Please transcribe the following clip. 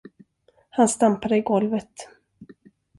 Han stampade i golvet.